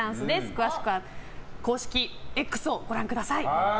詳しくは公式Ｘをご覧ください。